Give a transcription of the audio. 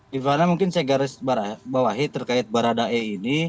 di mana mungkin saya garis bawahi terkait berada e ini